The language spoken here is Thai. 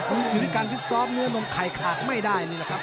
หรืออยู่กันพิกซอมเนื้อมลงไข่ขากไม่ได้